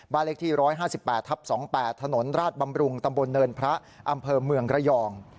เลขที่๑๕๘ทับ๒๘ถนนราชบำรุงตำบลเนินพระอำเภอเมืองระยอง